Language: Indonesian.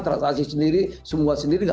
transaksi sendiri semua sendiri